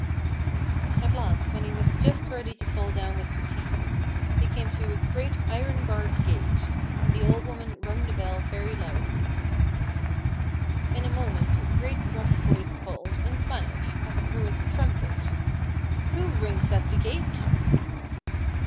At last, when he was just ready to fall down with fatigue, they came to a great iron barred gate, and the old woman rung the bell very loudly. In a moment a great rough voice called, in Spanish, as through a trumpet, "Who rings at the gate?"